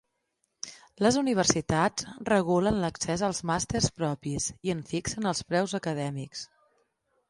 Les universitats regulen l'accés als màsters propis i en fixen els preus acadèmics.